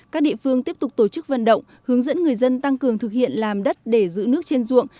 các địa phương tiếp tục tổ chức vận động hướng dẫn người dân tăng cường thực hiện làm đất để giữ nước trên ruộng